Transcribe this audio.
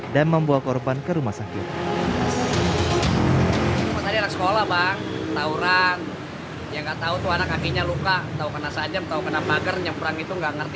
dan membawa korban ke rumah sakit